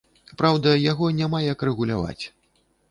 Праўда, яго няма як рэгуляваць.